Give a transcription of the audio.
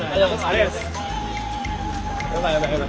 ありがとうございます。